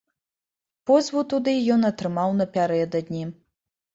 Позву туды ён атрымаў напярэдадні.